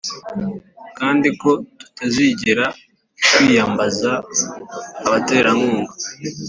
Kandi ko tutazigera twiyambaza abaterankunga